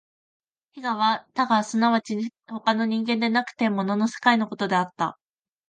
非我は他我即ち他の人間でなくて物の世界のことであった。